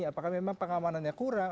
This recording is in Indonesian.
apakah memang pengamanannya kurang